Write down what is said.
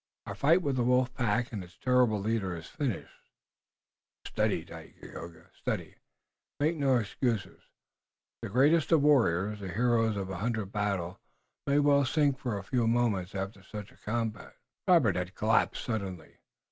Our fight with the wolf pack and its terrible leader is finished. Steady, Dagaeoga! Steady! Make no excuses! The greatest of warriors, the hero of a hundred battles, might well sink for a few moments after such a combat!" Robert had collapsed suddenly.